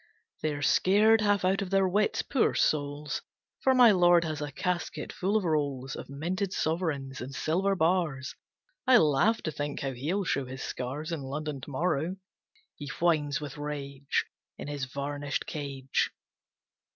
They are scared half out of their wits, poor souls. For my lord has a casket full of rolls Of minted sovereigns, and silver bars. I laugh to think how he'll show his scars In London to morrow. He whines with rage In his varnished cage.